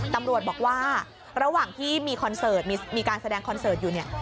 ตำรวจบอกว่าระหว่างที่มีการแสดงคอนเสิร์ตอยู่เนี่ย